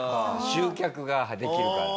集客ができるから。